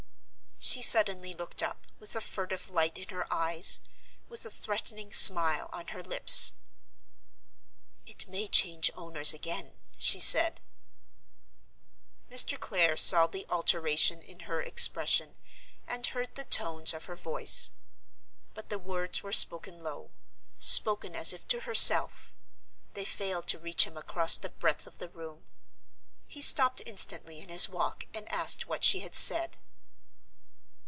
She suddenly looked up, with a furtive light in her eyes, with a threatening smile on her lips. "It may change owners again," she said. Mr. Clare saw the alteration in her expression, and heard the tones of her voice. But the words were spoken low; spoken as if to herself—they failed to reach him across the breadth of the room. He stopped instantly in his walk and asked what she had said.